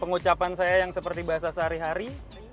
pengucapan saya yang seperti bahasa sehari hari